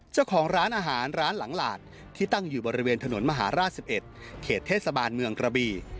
เจ้าของร้านอาหารร้านหลังหลานที่ตั้งอยู่บริเวณถนนมหาราช๑๑เขตเทศบาลเมืองกระบี